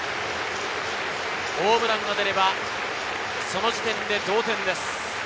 ホームランが出れば、その時点で同点です。